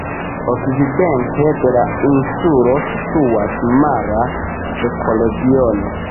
Okcidente de la insulo situas mara ekoregiono.